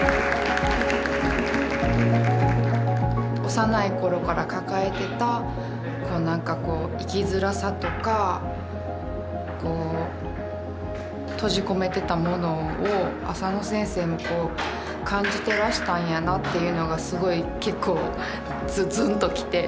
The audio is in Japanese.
幼い頃から抱えてた何かこう生きづらさとかこう閉じ込めてたものをあさの先生も感じてらしたんやなというのがすごい結構ずずんっときて。